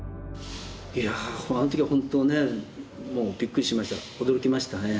いやあの時は本当ねもうびっくりしました驚きましたね。